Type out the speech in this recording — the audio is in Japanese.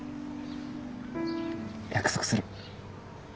約束する。